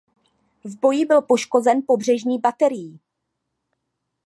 V boji byl poškozen pobřežní baterií.